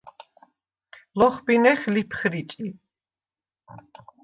ლოხბინეხ ლიფხრიჭი.